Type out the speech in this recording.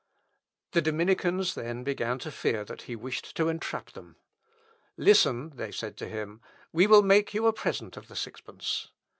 The dominicans then began to fear that he wished to entrap them. "Listen," said they to him, "we will make you a present of the sixpence."